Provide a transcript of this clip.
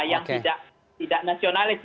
yang tidak nasionalis